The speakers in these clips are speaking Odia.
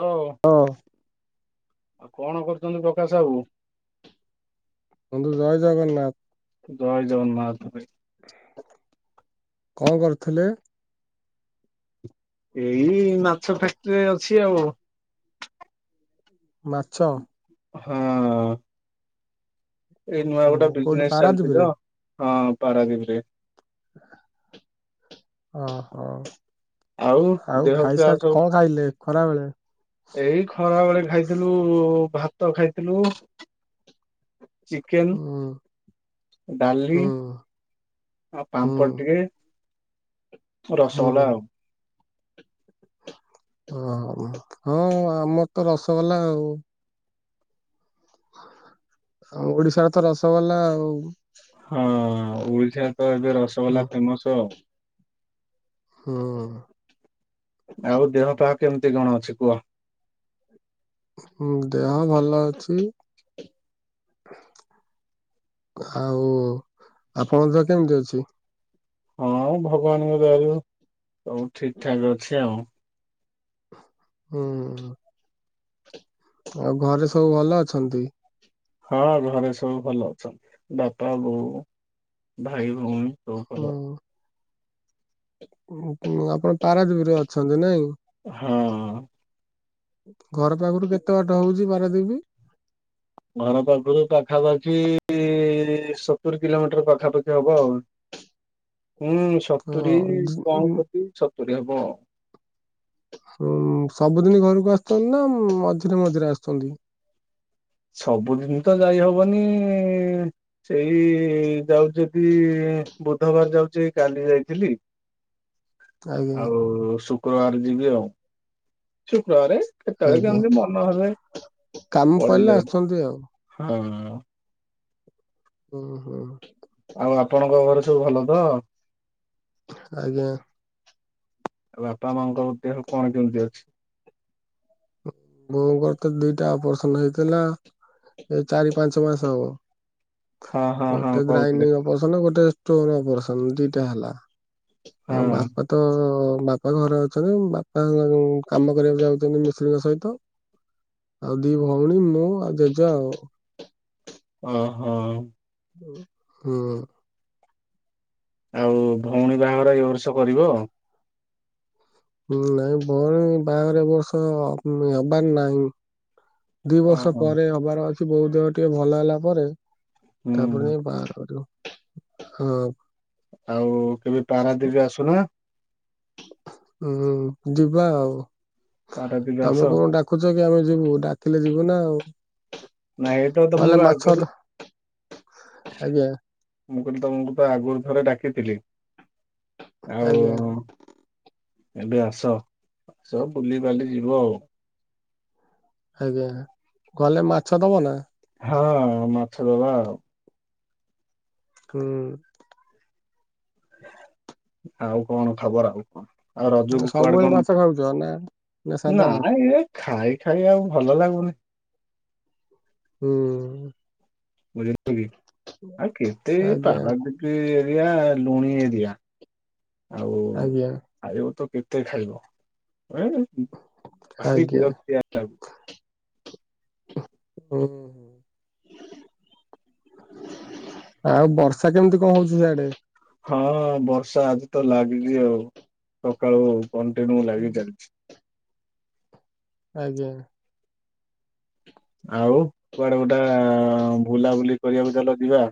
ହଉ ହଁ ଆଉ କଣ କରୁଛନ୍ତି ପ୍ରକାଶ ସାହୁ? ବନ୍ଧୁ ଜୟ ଜଗନ୍ନାଥ ଜୟ ଜଗନ୍ନାଥ ଭାଇ କଣ କରୁଥିଲେ? ଏଇ ମାଛ ଫ୍ୟାକ୍ଟ୍ରିରେ ଅଛି ଆଉ ମାଛ ହଁ ଏଇ ନୂଆ ଗୋଟେ ହୁଁ କୋଉଠି ବିଜନେସ ଚାଲିଛି ପାରାଦୀପରେ ତ ହଁ ପାରାଦୀପରେ ହ ହଁ ଆଉ ଦେହ ପା ଖାଇସାରି ସବୁ କଣ ଖାଇଲେ ଖରା ବେଳେ? ଏଇ ଖରା ବେଳେ ଖାଇଥିଲୁ ଭାତ ଖାଇଥିଲୁ ଚିକେନ ହୁଁ ଡାଲି ହୁଁ ଆଉ ହୁଁ ପାମ୍ପଡ ଟିକେ ହୁଁ ରସଗୋଲା ଆଉ ଓ ହଁ ଆମର ତ ରସଗୋଲା ଆଉ ଆଉ ଓଡିଶାର ତ ରସଗୋଲା ଆଉ ହଁ ଓଡିଶା ତ ଏବେ ହୁଁ ରସଗୋଲା ଫେମସ ଆଉ ହୁଁ ଆଉ ଦେହ ପାହା କେମିତି କଣ ଅଛି କୁହ? ହଁ ଦେହ ଭଲ ଅଛି। ଆଉ ଆପଣଙ୍କ ଦେହ କେମିତି ଅଛି? ହଁ ଭଗବାନଙ୍କ ଦୟାରୁ ସବୁ ଠିକ ଠାକ ଅଛି ଆଉ। ହୁଁ ଆଉ ଘରେ ସବୁ ଭଲ ଅଛନ୍ତି। ହଁ ଘରେ ସବୁ ଭଲ ଅଛନ୍ତି ବାପା ବୋଉ ଭାଇ ଭଉଣୀ ସବୁ ଭଲ ଆପଣ ପାରାଦ୍ୱୀପରେ ଅଛନ୍ତି ନାଇଁ ହଁ ଘର ପାଖରୁ କେତେ ବାଟ ହଉଛି ବାରାଦିପି ଘର ପାଖରୁ ପାଖାପାଖି ସତୁରି କିଲୋମିଟର ପାଖାପାଖି ହବ ଆଉ [inaudible] ହୁଁ ସତୁରି ହଁ ଜ- ଉଁ, ପଅସଠୀ ସତୁରି ହବ ଆଉ ହ ସବୁଦିନ ଘରକୁ ଆସୁଛନ୍ତି ନା ମଝିରେ ମଝିରେ ଆସୁଛନ୍ତି ସବୁଦିନ ତ ଯାଇ ହବନି ସେଇ ଯାଉ ଯଦି, ବୁଧବାର ଯାଉଛି କାଲି ଯାଇଥିଲି। ଆଜ୍ଞା ଆଉ ଶୁକ୍ରବାର ଯିବି ଆଉ। ଶୁକ୍ରବାରେ କେତେବେଳେ ଆଜ୍ଞା କେମିତି ମନ ହେଲେ ପଳେଇ ଯାଉ। ଅଛନ୍ତି ଆଉ। ହଁ। ଓ ହୋ। ଆଉ ଆପଣଙ୍କ ଘରେ ସବୁ ଭଲ ତ? ଆଜ୍ଞା। ଆଉ ବାପା ମାଆଙ୍କ ଦେହ କଣ କେମିତି ଅଛି? ବୋଉଙ୍କର ତ ଦିଟା ଅପରେସନ ହେଇଥିଲା, ଏ ଚାରି ପାଞ୍ଚ ମାସ ହବ। ହଁ ହଁ ହଁ ଗୋଟେ କହୁଥିଲେ ଗ୍ରାଇନିଂ ଅପରେସନ୍, ଗୋଟେ ଷ୍ଟୋନ୍ ଅପରେସନ୍ ଦିଟା ହେଲା। ଆଉ ହଁ ବାପା ତ ବାପା ଘରେ ଅଛନ୍ତି, ବାପା କାମ କରିବାକୁ ଯାଉଛନ୍ତି ମି ସ୍ତ୍ରୀଙ୍କ ସହିତ। ଆଉ ଦି ଭଉଣୀ, ମୁଁ ଆଉ ଜେଜେ ଆଉ। ହଁ - ହଁ। ହୁଁ। ଆଉ ଭଉଣୀ ବାହାଘର ଏ ବର୍ଷ କରିବ? ନାଇଁ ଭଉଣୀ ବାହାଘର ଏବର୍ଷ ହବାର ନାହିଁ। ଦି ବର୍ଷ ଓହୋ ପରେ ହବାର ଅଛି, ବୋଉ ଦେହ ଟିକେ ଭଲ ହେଲା ପରେ ତାପରେ ହୁଁ ଯାଇ ବାହାଘର କରିବ ହଁ। ଆଉ କେବେ ପାରାଦ୍ୱୀପ ଆସୁନା? ହୁଁ ଯିବା ଆଉ, ପାରାଦୀପ ଆସ। ଆମେ କଣ ଡା କୁଚ କି ଆମେ ଯିବୁ, ଡାକିଲେ ଯିବୁ ନା ଆଉ। ଏଇଟା ତ ଗଲେ ତମକୁ ମାଛ ଆଗରୁ ଧ ଆଜ୍ଞା ମୁଁ କହିଲି ତମକୁ ତ ଆଗରୁ ଥରେ ଡାକିଥିଲି, ଆଉ ଆଜ୍ଞା ଏବେ ଆସ, ଆସ ବୁଲିିବାଲି ଯିବ ଆଉ। ଆଜ୍ଞା, ଗଲେ ମାଛ ଦବ ନା? ହଁ ମାଛ ଦବା ଆଉ। ହୁଁ। ଆଉ କଣ ଖବର, ଆଉ କଣ? ଆଉ ରଜକୁ କୁଆଡେ ସବୁବେଳେ କଣ? ମାଛ ଖାଉଛ ନା ନା ସାଧା ଖାଇ ଖାଇ ଆଉ ଭଲ ଲାଗୁନି। ହୁଁ। ବୁଝିଲେ କି ଆଉ କେତେ, ଏ ଆଜ୍ଞା ପାରାଦ୍ୱୀପ ଏରିଆ ଲୁଣି ଏରିଆ। ଆଉ ଆଜ୍ଞା ଖାଇବ ତ କେତେ ଖାଇବ। [unintelligible] ଭାରି ଆଜ୍ଞା। ବିରକ୍ତିଆ ହୁଁ। ଆଉ ବର୍ଷା କେମିତି କଣ ହଉଛି ସେଆଡେ? ହଁ ବର୍ଷା ଆଜି ତ ଲାଗିଛି, ଆଉ ସକାଳୁ କଣ୍ଟିନ୍ୟୁ ଲାଗି ଚାଲିଛି। ଆଜ୍ଞା। ଆଉ କୁଆଡେ ଗୋଟା ବୁଲାବୁଲି କରିବାକୁ ଚାଲ ଯିବା?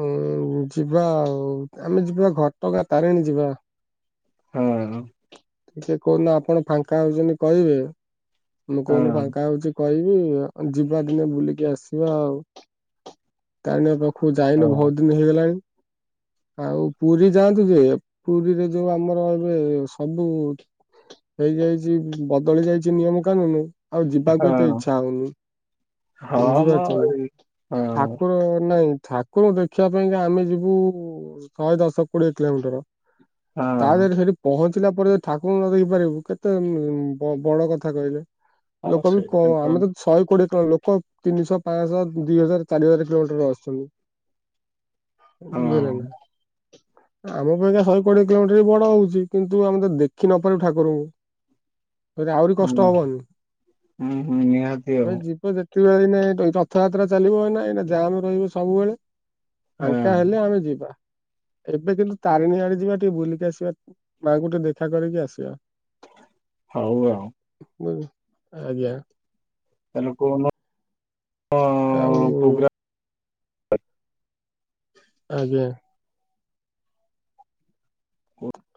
ହଉ ଯିବା ଆଉ, ଆମେ ଯିବା ଘଟଗାଁ ତାରିଣୀ ଯିବା। ହଁ। [unintelligible] କୋଉ ଦିନ ଆପଣ ଫାଙ୍କା ହଉଛନ୍ତି କହିବେ, ମୁଁ ହଁ କୋଉ ଦିନ ଫାଙ୍କା ହଉଛି କହିବି ଯିବା ଦିନେ ବୁଲିକି ଆସିବା ଆଉ। ତାରିଣୀ ପାଖକୁ ହଁ ଯାଇନେ ବହୁତ ଦିନ ହେଇଗଲାଣି। ଆଉ ପୁରୀ ଯାଆନ୍ତୁ ଯେ, ପୁରୀରେ ଯୋଉ ଆମର ଏବେ ସବୁ ହୁଁ ହେଇଯାଇଛି, ବଦଳି ଯାଇଛି ନିୟମ କାନୁନୁ। ଆଉ ଯିବାକୁ ଏତେ ହଁ ଇଚ୍ଛା ହଉନି। ହଁ ମ ବୁଝିପାରୁଛନ୍ତି, ଏଇ ହଁ ଠାକୁର ନାଇଁ ଠାକୁ ରଙ୍କୁ ଦେଖିବା ପାଇଁକା ଆମେ ଯିବୁ, ଶହେ ଦଶ କୋଡିଏ କିଲୋମିଟର। ତା ହଁ ଦେହରେ ସେଠି ପହଞ୍ଚିଲା ପରେ ଠାକୁରଙ୍କୁ ନ ଦେଖି ପାରିବୁ କେତେ ବଡ କଥା କହିଲେ। ହଁ ଲୋକ ବି ସେଇଟା କଣ ଆମେ ତ ଶହେ କୋଡିଏ କଣ ଲୋକ ତିନି ଶହ, ପାଞ୍ଚ ଶହ, ଦିଇ ହଜାର, ଚାରି ହଜାର କିଲୋମିଟର ଆଶୁଛନ୍ତି। ହଁ ବୁଝିଲେ ନା? ଆମ ପାଇଁକା ଶହେ କୋଡିଏ କିଲୋମିଟର ବି ବଡ ହଉଛି। କିନ୍ତୁ ଆମେ ତ ଦେଖି ନପାରିବୁ ଠାକୁରଙ୍କୁ। ସେ ଆହୁରି କଷ୍ଟ ହଁ ହବନି। ହୁଁ ହୁଁ ନିହାତି ଆଉ ଆମେ ଯିବୁ ଯେ ନାଇଁ ରଥଯାତ୍ରା ଚାଲିବ। ଏଇନା ଜାମ ରହିବ ସବୁବେଳେ। ହଁ ଫାଙ୍କା ହେଲେ ଆମେ ଯିବା, ଏବେ କିନ୍ତୁ ତାରିଣୀ ଆଡେ ଯିବା ଟିକେ ବୁଲିକି ଆସିବା। ମାଙ୍କୁ ଟିକେ ଦେଖା କରିକି ଆସିବା। ହଉ ଆଉ। ହୁଁ ଆଜ୍ଞା। [inaudible] ଅ ଆଉ ପ୍ରୋଗ୍ରାମ। ଆଜ୍ଞା।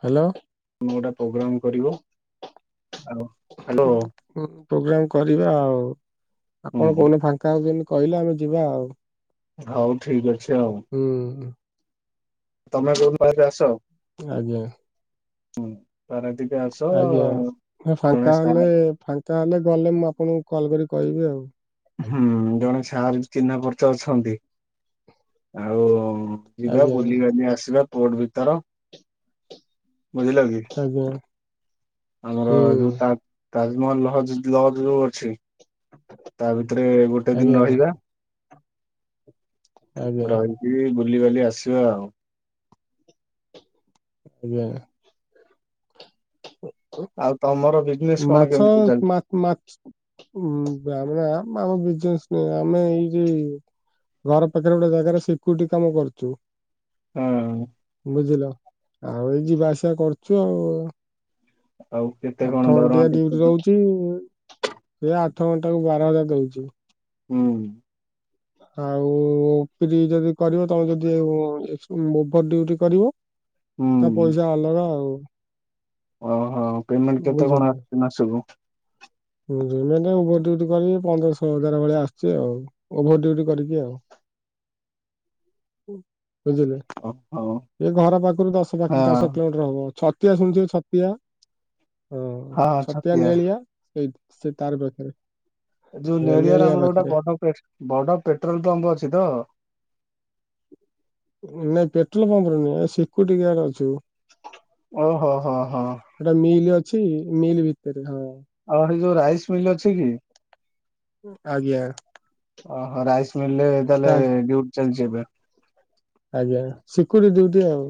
ହ୍ୟାଲୋ। ଗୋଟା ପ୍ରୋଗ୍ରାମ କରିବ ଆଉ। ହ୍ୟାଲୋ ପ୍ରୋଗ୍ରାମ କରିବା ଆଉ। ହୁଁ ଆପଣ କୋଉ ଦିନ ଫାଙ୍କା ହଉଛନ୍ତି? କହିଲା ଆମେ ଯିବା ଆଉ। ହଉ ଠିକ ଅଛି ଆଉ। ହୁଁ। ତମେ କୋଉ ଦିନ ହେଲେ ଆସ? ଆଜ୍ଞା। ହୁଁ ପାରାଦ୍ୱୀପ। ଆଜ୍ଞା ଫାଙ୍କା ହେଲେ, ସାର୍ ଫାଙ୍କା ହେଲେ ଗଲେ ମୁଁ ଆପଣଙ୍କୁ କଲ କରି କହିବି ଆଉ। ହୁଁ ଜଣେ ସାର ଚିହ୍ନା ପରିଚୟ ଅଛନ୍ତି ଆଉ। ଯିବା ଆଜ୍ଞା ବୁଲିବାଲି ଆସିବା ପୋର୍ଟ ଭିତର ବୁଝିଲ କି ଆଜ୍ଞା ଆମର ହୁଁ ଯୋଉ ତା ତାଜମହଲ ଲଜ୍ ଲଜ୍ ଯୋଉ ଅଛି ତା ଭିତରେ ଗୋଟେ ଆଜ୍ଞା ଦିନ ରହିବା। ଆଜ୍ଞା ରହିକି ବୁଲିିବାଲି ଆସିବା ଆଉ। ଆଜ୍ଞା। ହ [unintelligible] ଆଉ ତମର ବି ମାଛ ମା ଆ ଆମ ବିଜ ନ ଆମେ ଏଇ ଯ ଘର ପାଖରେ ଗୋଟେ ଜାଗାରେ ସିକ୍ୟୁରିଟି କାମ କରୁଛୁ। ହଁ। ବୁଝିଲ? ଆଉ ଏଇ ଯିବା ଆସିବା କରୁଛୁ ଆଉ। ଆଉ କେତେ ଆଠ କଣ ଘଣ୍ଟିଆ ଦରମା ଡ୍ୟୁଟି କେତେ ରହୁଛି। ସେ ଆଠ ଘଣ୍ଟା କୁ ବାର ହଜାର ଦଉଛି। ହୁଁ। ଆଉ ଫ୍ରୀ ଯଦି କରିବ, ତମେ ଯଦି ଓଭର ଡିଉଟି କରିବ ତା ହୁଁ ପଇସା ଅଲଗା ଆଉ। ଓହୋ ପେମେଣ୍ଟ କେତେ ବୁଝିଲେ କଣ ଆସିୁଛି ମାସକୁ? ଓଭର ଡୁଟି କର ପନ୍ଦର ହ ହଜାର ଭଳିଆ ଆସୁଛି ଆଉ ଓଭର ଡିଉଟି କରିକି ଆଉ। ବୁଝିଲେ। ଓହୋ ଏ ଘର ପାଖରୁ ଦଶ ପାଖ ହଁ ଦଶ କିଲୋମିଟର ହବ। ଛତିଆ ଶୁଣିୁଛ ଛତିଆ ହ ଛତିଆ ନେଳିଆ ସେଇ ସେ ତାର ପାଖରେ। ଯୋଉ ଆଜ୍ଞା ନେଳିଆରେ ନେଳିଆ ଆମର ପାଖରେ ଗୋଟେ ବଡ ବଡ ପେଟ୍ରୋଲ ପମ୍ପ ଅଛି ତ? ନାଇଁ ପେଟ୍ରୋଲ ପମ୍ପ ର ନାଇଁ ସିକୁରିଟି ଗାର୍ଡ ଅଛୁ। ଓହୋ ହୋ ଓ ହୋ। ଏଟା ମିଲ୍ ଅଛି ମିଲ୍ ଭିତରେ ହଁ। ଆଉ ହେଟି ଯୋଉ ରାଇସ ମିଲ୍ ଅଛି କି? ଆଜ୍ଞା। ଓହୋ ରାଇସ୍ ମିଲରେ ତାହେଲେ ତା ଡ୍ୟୁଟି ଚାଲିଛି ଏବେ। ଆଜ୍ଞା ଶିକୁଡି ଦିୟୁଟି ଆଉ।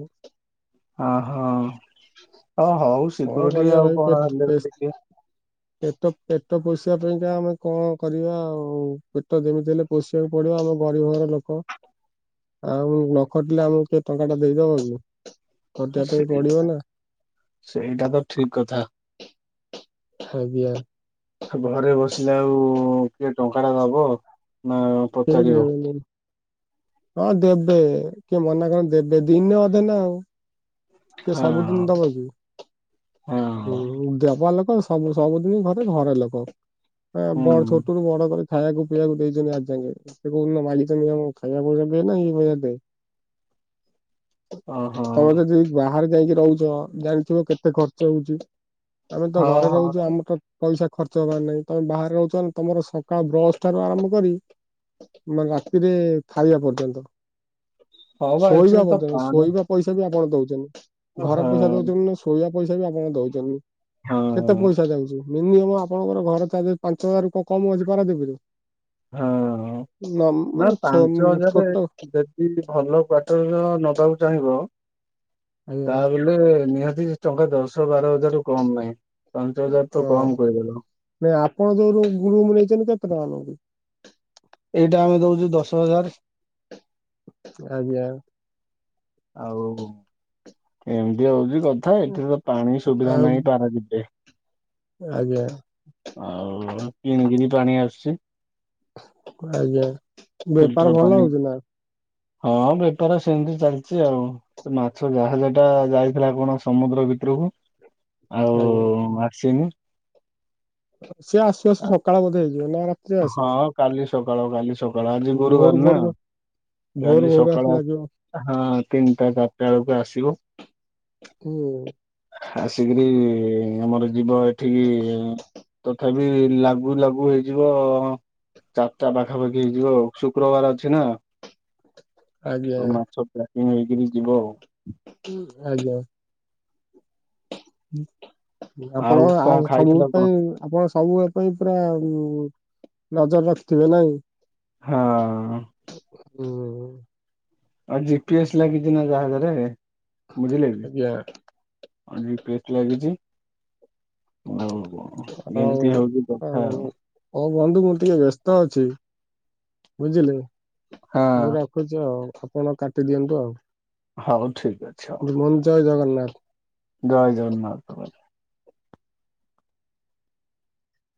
ଅହୋ ହ ହଉ କଣ ସିକ୍ୟୁରିଟି କରିବା ଆଉ ଭାଇ କଣ ହେଲେ ପେ ଟିକେ ପେଟ ପେଟ ପୋସିବା ପାଇଁକା ଆମେ କଣ କରିବା ଆଉ ପେଟ ଯେମିତି ହେଲେ ପୋଷିବାକୁ ପଡିବ ଆମ ଗରିବ ଘର ଲୋକ। ଆଉ ନ ଖଟିଲେ ଆମକୁ କିଏ ଟଙ୍କା ଟା ଦେଇଦବ କି? ଖଟିବା ପାଇଁ ସେଇ ପଡିବ ନା ସେଇଟା ତ ଠିକ କଥା। [unintelligible] ଘରେ ବସିଲେ ଆଉ କିଏ ଟଙ୍କା ଟା ଦବ ନା କେଇ ପଚାରିବ ଦେବେନେଇଁ? ହଁ ଦେବେ କିଏ ମନା କରନ୍ତି ଦେବେ ଦିନେ ଅଧେ ନା ଆଉ। କିଏ ହଁ ସବୁଦିନ ଦେବ କି? ହଁ ହୁଁ ଦେବ ଲୋକ ସବୁ ସବୁଦିନ ଘରେ ଘରେ ଲୋକ। ହ ବଡ ହୁଁ ଛୋଟ ରୁ ବଡ କରି ଖାଇବାକୁ ପିଇବାକୁ ଦେଇଛନ୍ତି ଆଜି ଯଙ୍ଗେ। [unintelligible] ଓହୋ ତମେ ଯଦି ବାହାରେ ଯାଇକି ରହୁଛ ଜାଣିଥିବ କେତେ ଖର୍ଚ୍ଚ ହଉଛି? ଆମେ ତ ହଁ ଘରେ ହଁ ରହୁଛୁ ଆମର ତ ପଇସା ଖର୍ଚ୍ଚ ହବାର ନାହିଁ ତମେ ବାହାରେ ରହୁଛ ତମର ସକାଳ ବ୍ରଶ ଟାରୁ ଆରମ୍ଭ କରି ମାନେ ରାତିରେ ଖାଇବା ପର୍ଯ୍ୟନ୍ତ। ହଁ ବା ଶୋଇବା ଏଠିରେ ତ ପର୍ଯ୍ୟନ୍ତ ପାଣି ଶୋଇବା ପଇସା ବି ଆପଣ ଦଉଛନ୍ତି ଘର ହଁ ପଇସା ଦଉଛନ୍ତି ନା ଶୋଇବା ପଇସା ବି ଆପଣ ଦଉଛନ୍ତି। ହଁ କେତେ ପଇସା ଯାଉଛି ମିନିମମ୍ ଆପଣଙ୍କର ଘର ତା ପାଞ୍ଚ ହଜାର ର କମ ଅଛି ପାରାଦିପିରୁ। ହଁ ନା ମାନେ ପାଞ୍ଚ ହଜାରେ ଛୋଟ ଜୀମତି ଭଲ କ୍ଵଟର ନବାକୁ ଚାହିଁବ ଆଜ୍ଞା ତା ହେଲେ ନିହାତି ଟଙ୍କା ଦଶ ବାର ହଜାରୁ କମ ନାହିଁ ପାଞ୍ଚ ହଜାର ତ ହଁ। କମ କହିଦଲ। ନାଇଁ ଆପଣ ଯୋଉ ରୁମ ଗ୍ରୁମ୍ ନେଇଛନ୍ତି କେତେ ଟଙ୍କା ନଉଛି? ଏଇଟା ଆମେ ଦଉଛୁ ଦଶ ହଜାର। ଆଜ୍ଞା। ଆଉ କେମିତି ହଉଛି କ ଥା ଏଠାରେ ତ ପାଣି ସୁବିଧା ଆଉ ନାହିଁ ପାରାଦୀପ ରେ। ଆଜ୍ଞା। ଆଉ କିଣିକିରି ପାଣି ଆସୁଛି। ଆଜ୍ଞା ଫିଲ୍ଟର ବେପାର ଭଲ ପାଣି ହଉଛି ନା। ହଁ ବେପାର ସେମିତି ଚାଲ ଚି ଆଉ। ସେ ମାଛ ଯାହାଜାଟା ଯାଇଥିଲା କଣ ସମୁଦ୍ର ଭିତରକୁ ଆଉ ଆଜ୍ଞା। ମାକ୍ସିନି। ସିଏ ଆସୁ ଆସୁ ସକାଳ ବଧେ ହେଇଯିବ ନା ରାତିରେ ଆସିବ ହଁ କାଲି ସକାଳ କାଲି ସ କାଳ ଆଜି ଭୋରୁ ଗୁରୁବାର ନା ଭୋରୁ ଭୋରୁ କାଲି ଭୋରୁ ଆସି ସକାଳ ଲାଗିବ। ହଁ ତିନିଟା ଚାରଟା ବେଳକୁ ଆସିବ। ହୁଁ। ଆସିକିରି ଆମର ଯିବ ଏଠିକି ତ ବି ଲାଗୁ ଲାଗୁ ହେଇ ଯିବ ଚାରିଟା ପାଖାପାଖି ହେଇଯିବ ଆଉ ଶୁକ୍ରବାର ଅଛି ନା। ଆଜ୍ଞା ସବୁ ମାଛ ପ୍ୟାକିଙ୍ଗ୍ ହେଇକରି ଯିବ ଆଉ। ଉଁ ଆଜ୍ଞା। ଉ ଆପଣ କଣ ଆଉ ସବୁ ଖାଇଥିଲ କଣ? ପାଇ ଆପଣ ସବୁ ବେଳ ପାଇଁ ପୁରା ଉମ ନଜର ରଖିଥିବେ ନାଇଁ? ହଁ। ହୁଁ। ଆଉ ଜି ପି ଏସ୍ ଲାଗିଚି ନା ଜାହାଜରେ ବୁଝିଲେ କି? ଆଜ୍ଞା ହଁ ଜି ପି ଏସ୍ ଟି ଲାଗିଚି। ଆଉ ବ ଆଉ ଗେମତି ହୋଉଚି ଆଉ କଥା। ହଉ ବନ୍ଧୁ ମୁଁ ଟିକେ ବ୍ୟସ୍ତ ଅଛି। ବୁଝିଲେ? ମୁଁ ହଁ ରଖୁଛି ଆଉ ଆପଣ କାଟିଦିଅନ୍ତୁ ଆଉ। ହଉ ଠିକ୍ ଅଛି। ହଉ ମୁଁ ନ୍ ଜୟ ଜଗନ୍ନାଥ। ଜୟ ଜଗନ୍ନାଥ ଭାଇ।